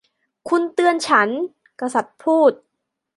'คุณเตือนฉัน !' กษัตริย์พูด